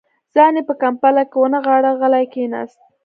ځان يې په کمپله کې ونغاړه، غلی کېناست.